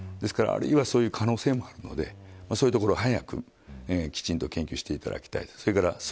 ですからあるいは、その可能性もあるのでそういうところを早くきちんと研究していただきたい。